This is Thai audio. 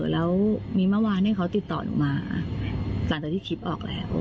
แล้วมีเมื่อวานที่เขาติดต่อหนูมาหลังจากที่คลิปออกแล้ว